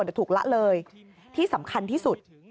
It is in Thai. ถูกละเลยที่สำคัญที่สุด